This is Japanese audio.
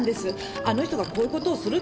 あの人がこういうことをするっていうのは。